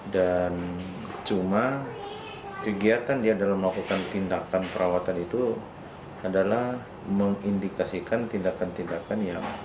dan cuma kegiatan dia dalam melakukan tindakan perawatan itu adalah mengindikasikan tindakan tindakan